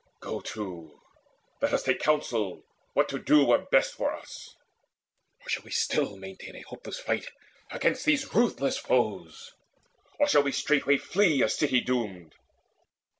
Go to, let us take counsel, what to do Were best for us. Or shall we still maintain A hopeless fight against these ruthless foes, Or shall we straightway flee a city doomed?